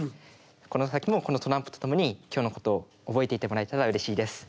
この先もこのトランプと共に今日のことを覚えていてもらえたらうれしいです。